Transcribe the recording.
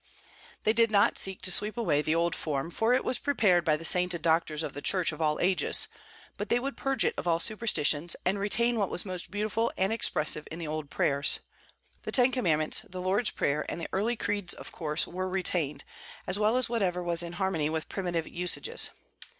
They did not seek to sweep away the old form, for it was prepared by the sainted doctors of the Church of all ages; but they would purge it of all superstitions, and retain what was most beautiful and expressive in the old prayers. The Ten Commandments, the Lord's Prayer, and the early creeds of course were retained, as well as whatever was in harmony with primitive usages.